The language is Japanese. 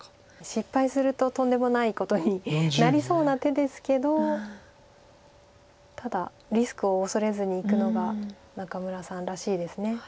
失敗するととんでもないことになりそうな手ですけどただリスクを恐れずにいくのが仲邑さんらしいです。